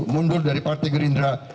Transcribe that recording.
mundur dari partai gerindra